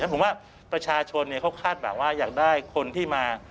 ผมว่าประชาชนเขาคาดหวังว่าอยากได้คนที่มา